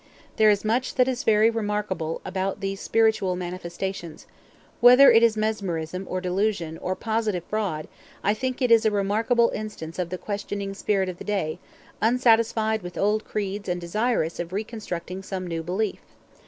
There is much that is very remarkable about these spiritual manifestations; whether it is mesmerism, or delusion, or positive fraud, I think it is a remarkable instance of the questioning spirit of the day, unsatisfied with old creeds and desirous of reconstructing some new belief."